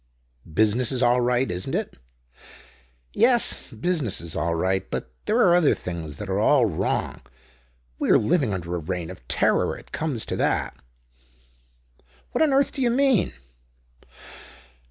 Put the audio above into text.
"Business is all right, isn't it?" "Yes. Business is all right. But there are other things that are all wrong. We are living under a reign of terror. It comes to that." "What on earth do you mean?"